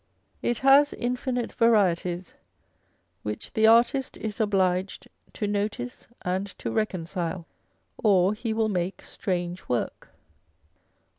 It has infinite varieties, which the artist is obliged to notice and to reconcile, or he will make strange work.